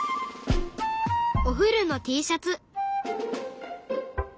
お古のＴシャツ。